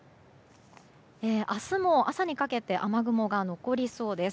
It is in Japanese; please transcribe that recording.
明日も朝にかけて雨雲が残りそうです。